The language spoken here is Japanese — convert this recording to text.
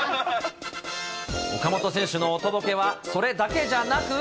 岡本選手のおとぼけはそれだけじゃなく。